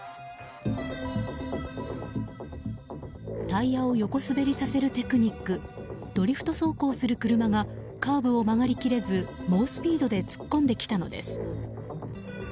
タイヤを横滑りさせるテクニックドリフト走行する車がカーブを曲がり切れず猛スピードで突っ込んできたのです。